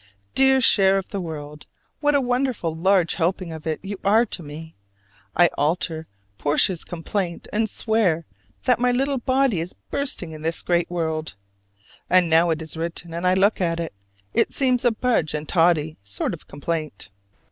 Dear share of the world, what a wonderful large helping of it you are to me! I alter Portia's complaint and swear that "my little body is bursting with this great world." And now it is written and I look at it, it seems a Budge and Toddy sort of complaint.